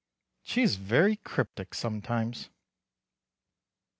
She is very cryptic sometimes.